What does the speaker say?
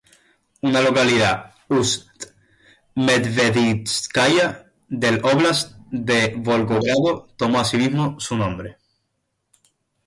Una localidad, Ust-Medveditskaya, del óblast de Volgogrado tomó asimismo su nombre.